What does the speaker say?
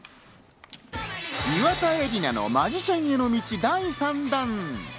岩田絵里奈のマジシャンへの道、第３弾。